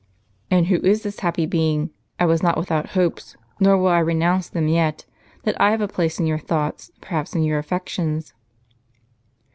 "*" And who is this happy being ? I was not without hopes, nor will I renounce them yet, that I have a place in your thoughts, perhaps in your affections."